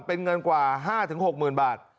เป็นเงินกว่า๕๖หมื่นบาท